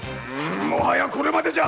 もはやこれまでじゃ！